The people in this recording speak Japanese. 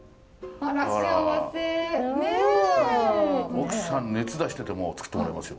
奥さん熱出してても作ってもらいますよ。